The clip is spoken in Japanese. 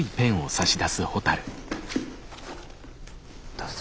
どうぞ。